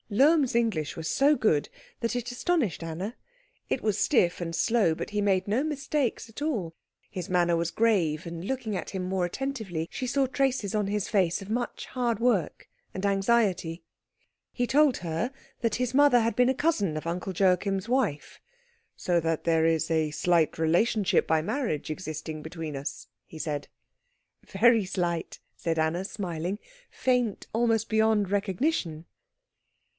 Lohm's English was so good that it astonished Anna. It was stiff and slow, but he made no mistakes at all. His manner was grave, and looking at him more attentively she saw traces on his face of much hard work and anxiety. He told her that his mother had been a cousin of Uncle Joachim's wife. "So that there is a slight relationship by marriage existing between us," he said. "Very slight," said Anna, smiling, "faint almost beyond recognition."